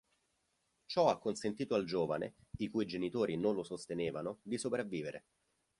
Ciò ha consentito al giovane, i cui genitori non lo sostenevano, di sopravvivere.